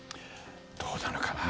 どうなのかな。